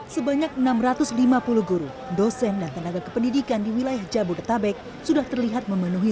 sebanyak enam ratus lima puluh guru dosen dan tenaga kependidikan di wilayah jabodetabek sudah terlihat memenuhi